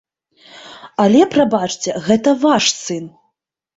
Але, прабачце, гэта ваш сын.